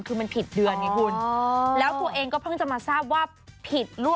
คือมันผิดเดือนไงคุณแล้วตัวเองก็เพิ่งจะมาทราบว่าผิดลูก